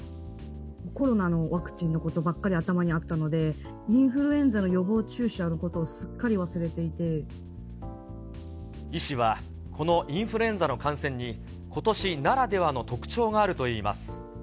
コロナのワクチンのことばっかり頭にあったので、インフルエンザの予防注射のことを、すっか医師は、このインフルエンザの感染に、ことしならではの特徴があるといいます。